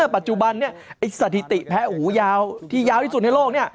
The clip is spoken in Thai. ปัจจุบันเนี่ยสถิติแพ้หูยาวที่ยาวที่สุดในโลกเนี่ย